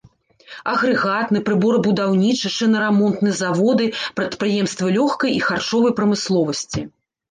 Агрэгатны, прыборабудаўнічы, шынарамонтны заводы, прадпрыемствы лёгкай і харчовай прамысловасці.